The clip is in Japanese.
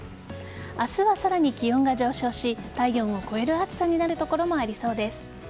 明日はさらに気温が上昇し体温を超える暑さになる所もありそうです。